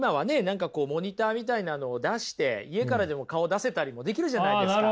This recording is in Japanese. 何かこうモニターみたいなのを出して家からでも顔を出せたりもできるじゃないですか。